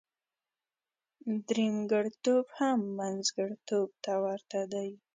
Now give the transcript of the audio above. درېمګړتوب هم منځګړتوب ته ورته دی.